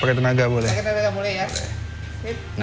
pakai tenaga boleh ya